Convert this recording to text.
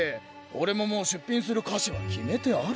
おれももう出品する菓子は決めてあるから。